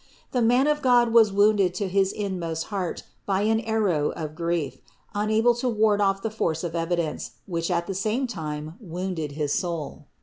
The man of God was wounded to his inmost heart by an arrow of grief, unable to ward off the force of evidence, which at the same time wounded his soul.